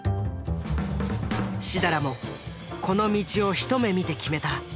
設楽もこの道を一目見て決めた。